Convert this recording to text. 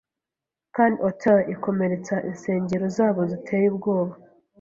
Kandi otter ikomeretsa insengero zabo ziteye ubwoba